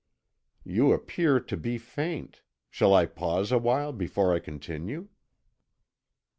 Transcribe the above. You appear to be faint. Shall I pause a while before I continue?"